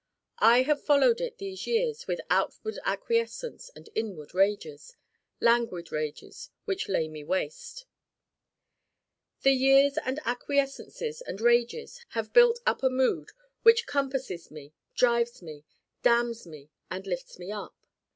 I have followed it these years with outward acquiescence and inward rages languid rages which lay me waste. The years and acquiescences and rages have built up a mood which compasses me, drives me, damns me and lifts me up.